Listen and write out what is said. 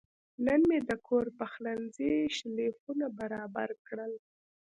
نن مې د کور پخلنځي شیلفونه برابر کړل.